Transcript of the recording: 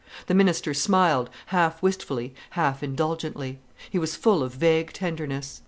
The minister smiled, half wistfully, half indulgently. He was full of vague tenderness.